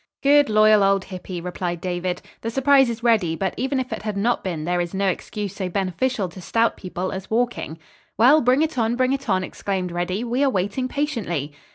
"Good, loyal old Hippy," replied David. "The surprise is ready, but even if it had not been, there is no exercise so beneficial to stout people as walking." "Well, bring it on, bring it on," exclaimed Reddy. "We are waiting patiently."